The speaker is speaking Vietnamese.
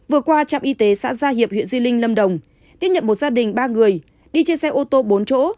vừa qua trạm y tế xã gia hiệp huyện di linh lâm đồng tiếp nhận một gia đình ba người đi trên xe ô tô bốn chỗ